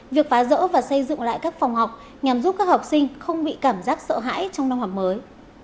việc phá rỡ và xây dựng lại các phòng học nhằm giúp các học sinh không bị cảm giác sợ hãi trong năm học mới